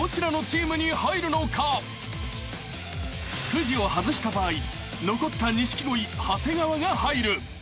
［くじを外した場合残った錦鯉長谷川が入る］